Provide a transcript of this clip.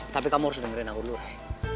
tapi kamu harus dengerin aku dulu raya